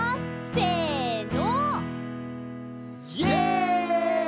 せの！